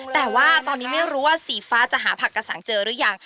แต่ว่าตอนนี้ไม่รู้ว่าสีฟ้าจะหาผักกระสังเจอหรือยัง